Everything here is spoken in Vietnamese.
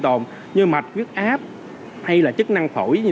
đó là một cái thai trưởng thành